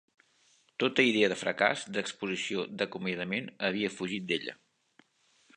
Tota idea de fracàs, d'exposició, d'acomiadament havia fugit d'ella.